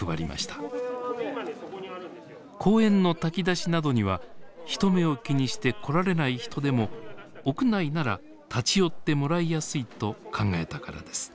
公園の炊き出しなどには人目を気にして来られない人でも屋内なら立ち寄ってもらいやすいと考えたからです。